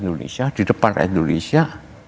indonesia di depan indonesia